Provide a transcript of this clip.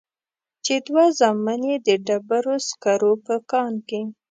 چې دوه زامن يې د ډبرو سکرو په کان کې.